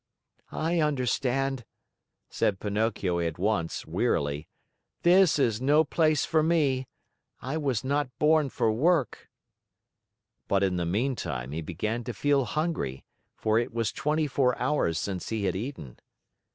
"I understand," said Pinocchio at once wearily, "this is no place for me! I was not born for work." But in the meantime, he began to feel hungry, for it was twenty four hours since he had eaten.